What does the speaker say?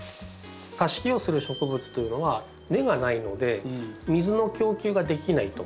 さし木をする植物というのは根がないので水の供給ができないと。